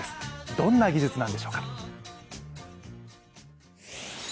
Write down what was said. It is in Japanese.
どんな技術なんでしょうか。